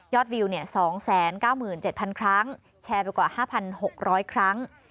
วิว๒๙๗๐๐ครั้งแชร์ไปกว่า๕๖๐๐ครั้ง